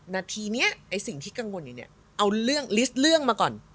นาทีนี้ไอ้สิ่งที่กังวลอยู่เนี่ยเอาเรื่องลิสต์เรื่องมาก่อน